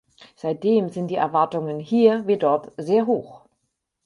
Seitdem sind die Erwartungen hier wie dort sehr hoch.